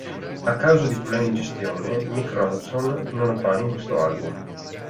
A causa di problemi di gestione, Mick Ronson non appare in questo album.